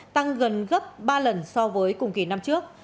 tăng gần gấp ba lần so với cùng kỳ năm trước